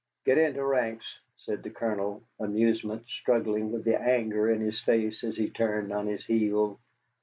"Get into ranks," said the Colonel, amusement struggling with the anger in his face as he turned on his heel.